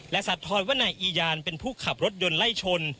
สะท้อนว่านายอียานเป็นผู้ขับรถยนต์ไล่ชน